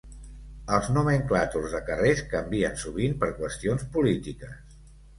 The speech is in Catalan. Els nomenclàtors de carrers canvien sovint per qüestions polítiques.